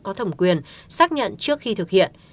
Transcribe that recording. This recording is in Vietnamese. có thẩm quyền xác nhận trước khi thực hiện